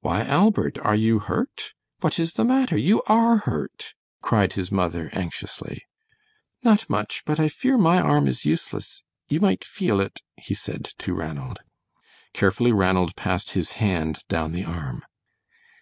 "Why, Albert, are you hurt? What is the matter? You are hurt!" cried his mother, anxiously. "Not much, but I fear my arm is useless. You might feel it," he said to Ranald. Carefully Ranald passed his hand down the arm.